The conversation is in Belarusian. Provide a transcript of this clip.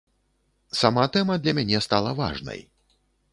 Сама тэма для мяне стала важнай.